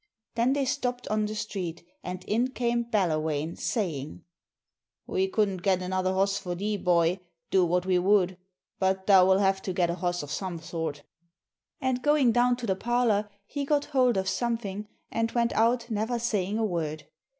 Then they stopped on the street and in came Ballawhane saying: 'We couldn' get another hoss for thee, boy, do what we would, but thou 'll have to get a hoss of some sort.' And going down to the parlour he got hold of something, and went out, never saying a word.